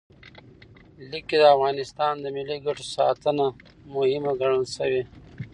لیک کې د افغانستان د ملي ګټو ساتنه مهمه ګڼل شوې.